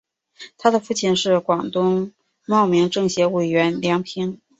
她的父亲是广东茂名政协委员梁平。